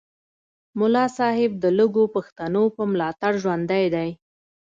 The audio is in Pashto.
ملا صاحب د لږو پښتنو په ملاتړ ژوندی دی